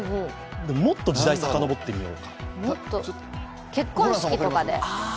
もっと時代をさかのぼってみよう。